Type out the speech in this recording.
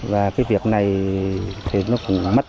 cái việc này thì nó cũng mất